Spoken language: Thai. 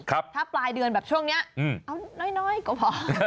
ถ้าปลายเดือนแบบช่วงนี้เอาน้อยก็พอ